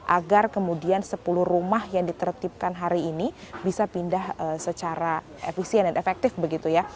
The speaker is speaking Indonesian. agar kemudian sepuluh rumah yang ditertipkan hari ini bisa pindah secara efisien dan efektif begitu ya